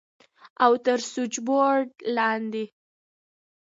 او تر سوېچبورډ لاندې.